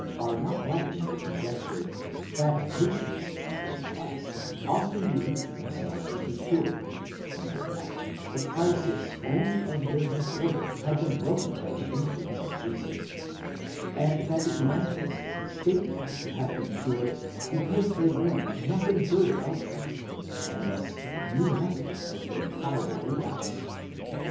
are not right in their conjecture, that patients of this class often believed themselves to be cured, when in fact the crisis only of their disorder had been broken by the influence of Jesus ; and that the Evangelists state them to have been cured because they learned nothing further of them, and thus knew nothing of their probable relapse).